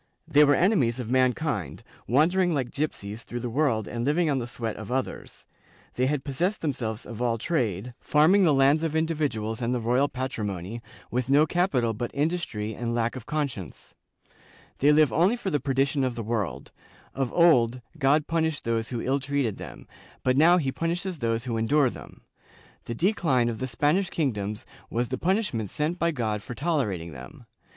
They were enemies of mankind, wandering like gypsies through the world and living on the sweat of others. They had possessed themselves of all trade, farming » Bibl. nacional, MSS., D, 118, fol. 257, n. 68. Chap. I] PORTUGUESE JEWS 273 the lands of individuals and the royal patrimony, with no capi tal but industry and lack of conscience. They live only for the perdition of the world; of old, God punished those who ill treated them, but now he punishes those who endure them; the decline of the Spanish kingdoms was the punishment sent by God for tolerating them.